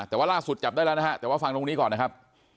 แต่ว่าล่าสุดจับได้แล้วนะฮะแต่ว่าฟังตรงนี้ก่อนนะครับ